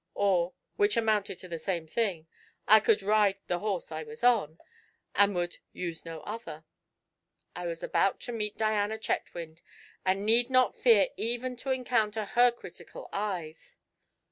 or, which amounted to the same thing, I could ride the horse I was on, and I would 'use no other.' I was about to meet Diana Chetwynd, and need not fear even to encounter her critical eyes.